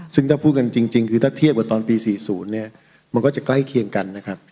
ซึ่งถ้าพูดกันจริงคือถ้าเทียบกับตอนปี๔๐เนี่ยมันก็จะใกล้เคียงกันนะครับ